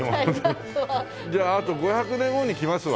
じゃああと５００年後に来ますわ。